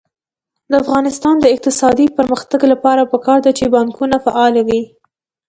د افغانستان د اقتصادي پرمختګ لپاره پکار ده چې بانکونه فعال وي.